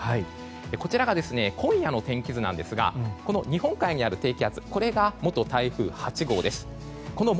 こちらが今夜の天気図なんですが日本海にある低気圧が元台風８号です。